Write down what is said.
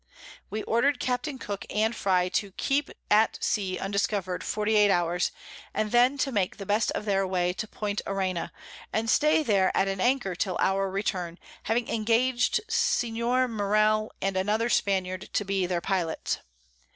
We order'd Capt. Cook and Fry to keep at Sea undiscover'd 48 Hours, and then to make the best of their way to Point Arena, and stay there at an Anchor till our Return, having engag'd Sen. Morell and another Spaniard to be their Pilots.